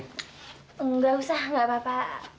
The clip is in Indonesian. enggak usah gak apa apa